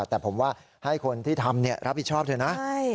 แต่ผมว่าให้คนที่ทำรับผิดชอบเถอะนะ